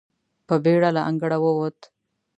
په بېړه له انګړه ووت.